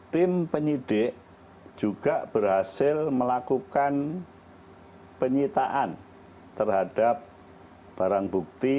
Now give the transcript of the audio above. tim penyidik juga berhasil melakukan penyitaan terhadap barang bukti